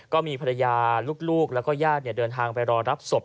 ก็มีภรรยาลูกแล้วก็ญาติเดินทางไปรอรับศพ